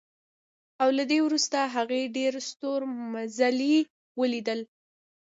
او له دې وروسته هغې ډېر ستورمزلي ولیدل